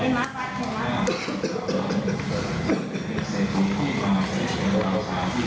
นั่ง